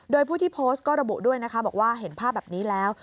โดยผู้ที่โพสต์ก็ระบุด้วยนะคะบอกว่าเห็นภาพแบบนี้แล้ว